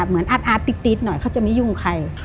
เหมือนอัดอัดติดหน่อยเขาจะไม่ยุ่งใคร